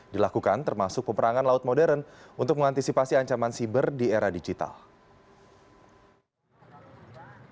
dilakukan termasuk peperangan laut modern untuk mengantisipasi ancaman siber di era digital